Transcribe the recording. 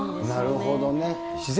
なるほどね。